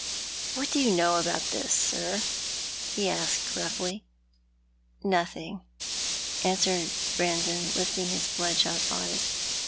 " What do you know about this, sir ?" he asked roughly. "Nothing," answered Brandon, lifting his bloodshot eyes.